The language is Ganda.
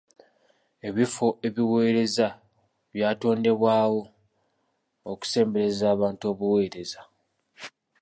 Ebifo ebiweereza byatondebwawo okusembereza abantu obuweereza.